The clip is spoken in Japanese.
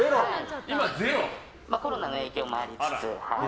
コロナの影響もありつつ。